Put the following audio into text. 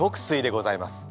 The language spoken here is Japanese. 翠でございます。